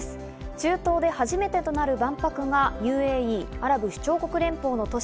中東で初めてとなる万博がＵＡＥ＝アラブ首長国連邦の都市